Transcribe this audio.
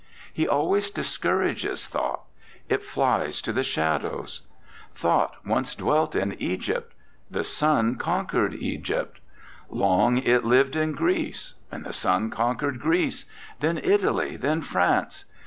He always discourages thought; it flies to the shadows. Thought once dwelt in Egypt; the sun conquered Egypt. Long it lived in Greece; the sun con quered Greece, then Italy, then France.